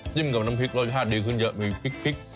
กับน้ำพริกรสชาติดีขึ้นเยอะมีพริก